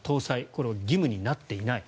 これは義務になっていない。